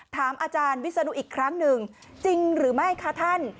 ถามอาจารย์วิศนุอีกครั้งหนึ่งจริงหรือไม่คะท่าน